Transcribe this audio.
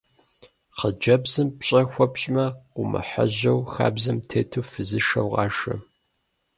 Хъыджэбзым пщӏэ хуэпщӏмэ, къыумыхьэжьэу, хабзэм тету фызышэу къашэ.